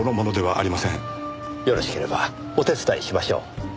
よろしければお手伝いしましょう。